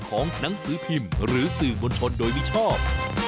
ของหนังสือพิมพ์หรือสื่อมวลชนโดยมิชอบ